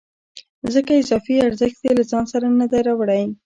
ځکه اضافي ارزښت یې له ځان سره نه دی راوړی